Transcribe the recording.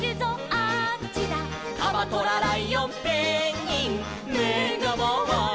「カバトラライオンペンギンめがまわる」